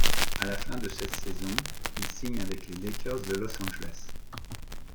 À la fin de cette saison, il signe avec les Lakers de Los Angeles.